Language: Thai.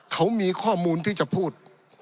เขามีข้อมูลที่จะพูด